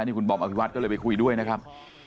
นี่คุณบอมอภิวัตก็เลยไปคุยด้วยนะครับ